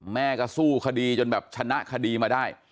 แม่ก็สู้คดีจนแบบชนะคดีมาได้